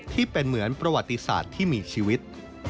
ที่เป็นเหมือนประวัติศาสตร์ที่มีชีวิต